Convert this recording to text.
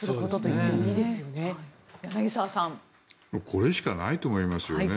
これしかないと思いますよね。